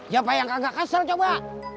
siapa yang kagak kesel coba